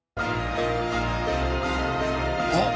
あっ！